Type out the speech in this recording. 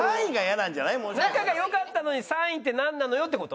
仲が良かったのに３位ってなんなのよって事？